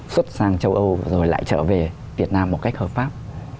xuất sang châu âu rồi lại trở về việt nam một cách hợp pháp